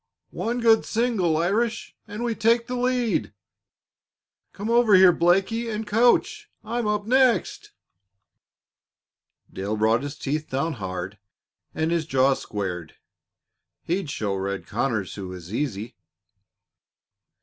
One good single, Irish, and we take the lead. Come over here, Blakie, and coach. I'm up next." Dale brought his teeth down hard and his jaw squared. He'd show Red Conners who was easy.